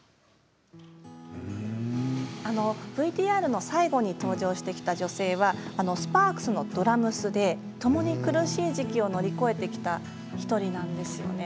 ＶＴＲの最後に登場してきた女性はスパークスのドラムスでともに苦しい時期を乗り越えてきた１人なんですよね。